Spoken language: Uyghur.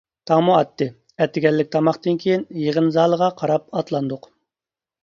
تاڭمۇ ئاتتى، ئەتىگەنلىك تاماقتىن كېيىن يىغىن زالىغا قاراپ ئاتلاندۇق.